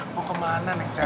mau kemana nek cai